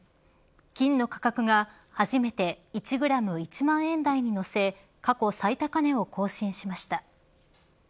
金の価格が初めて１グラム１万円台に乗せ過去最高値を更新しました。